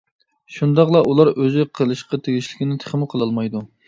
شۇنداقلا ئۇلار ئۆزى قىلىشقا تېگىشلىكنى تېخىمۇ قىلالمايدۇ.